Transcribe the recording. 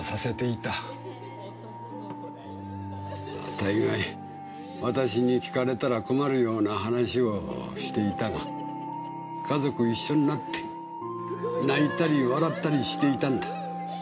まあ大概私に聞かれたら困るような話をしていたが家族一緒になって泣いたり笑ったりしていたんだ。